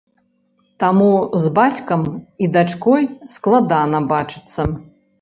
Таму з бацькам і дачкой складана бачыцца.